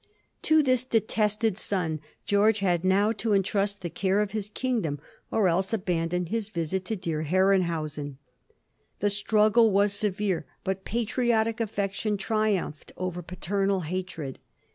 To this detested son George had now to entrust the care of his kingdom, or else abandon his visit to dear Herrenhausen. The struggle was severe, but patriotic affection triumphed over paternal hatred.